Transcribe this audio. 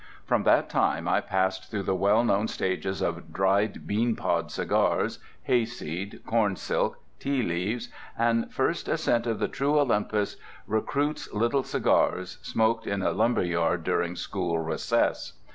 From that time I passed through the well known stages of dried bean pod cigars, hayseed, corn silk, tea leaves, and (first ascent of the true Olympus) Recruits Little Cigars smoked in a lumberyard during school recess.